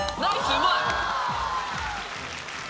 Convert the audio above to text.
うまい！